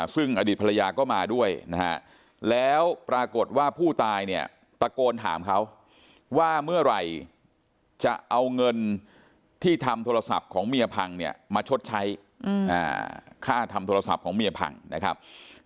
ซึ่งอดีตภรรยาก็มาด้วยนะฮะแล้วปรากฏว่าผู้ตายเนี่ยตะโกนถามเขาว่าเมื่อไหร่จะเอาเงินที่ทำโทรศัพท์ของเมียพังเนี่ยมาชดใช้ค่าทำโทรศัพท์ของเมียพังนะครับ